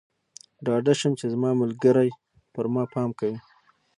ډاډه شم چې زما ملګری پر ما پام کوي.